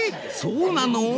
そうなの？］